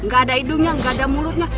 gak ada idungnya gak ada mulutnya